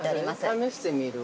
◆試してみるわ。